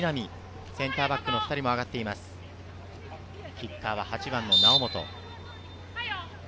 キッカーは８番・猶本。